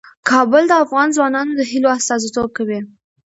کابل د افغان ځوانانو د هیلو استازیتوب کوي.